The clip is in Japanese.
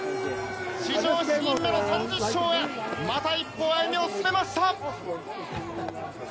史上７人目の３０勝へまた一歩、歩みを進めました。